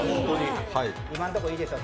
今のところいいですよ